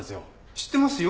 知ってますよ。